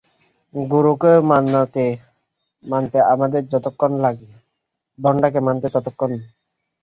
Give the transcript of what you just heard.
গুরুকেও মানতে আমাদের যতক্ষণ লাগে, ভণ্ডকে মানতেও ততক্ষণ।